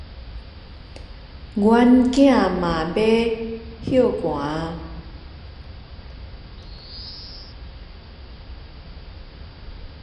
阮囝嘛咧欲歇寒矣